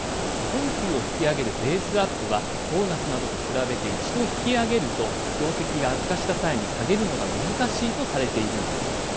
基本給を引き上げるベースアップは、ボーナスなどと比べて一度引き上げると、業績が悪化した際に下げるのが難しいとされているんです。